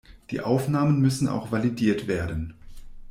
Die Aufnahmen müssen auch validiert werden.